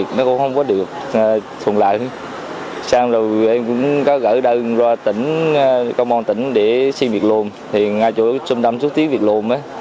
em cũng có gửi đơn qua tỉnh công an tỉnh để xin việc lôn thì ngay chỗ trung tâm xuất tiết việc lôn